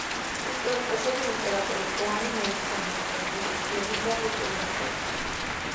ისტორიკოსები იმპერატორ კოანი მოიხსენიებენ, როგორც ლეგენდალურ პიროვნებად.